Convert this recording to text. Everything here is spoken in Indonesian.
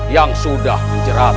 yang sudah menjerat